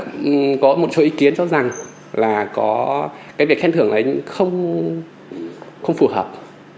có một số ý kiến cho rằng việc khen thưởng không phù hợp